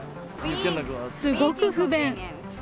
すごく不便。